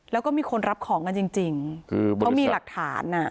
แล้วก็มีคนรับของกันจริงคือเขามีหลักฐานอ่ะ